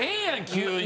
急に。